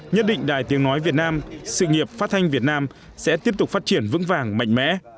nhất định đài tiếng nói việt nam sự nghiệp phát thanh việt nam sẽ tiếp tục phát triển vững vàng mạnh mẽ